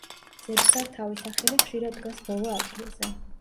ზედსართავი სახელი ხშირად დგას ბოლო ადგილზე.